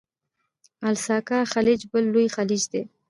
الاسکا خلیج بل لوی خلیج دی.